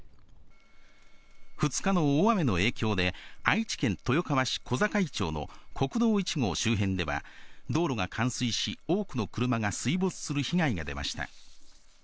２日の大雨の影響で、愛知県豊川市小坂井町の国道１号周辺では、道路が冠水し、多くの車が水没する被害が出ました。